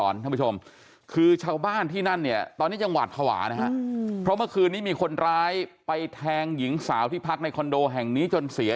และขณะนี้๑ยังไม่รู้ว่าคนร้ายเป็นใคร